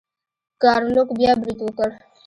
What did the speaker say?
ګارلوک بیا برید وکړ.